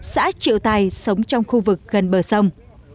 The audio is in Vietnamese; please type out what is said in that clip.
xã triệu tài sống trong khu vực gần bờ sông